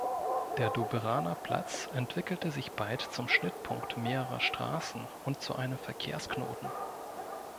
Der Doberaner Platz entwickelte sich bald zum Schnittpunkt mehrerer Straßen und zu einem Verkehrsknoten.